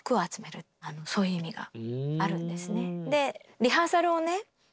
リハーサルをね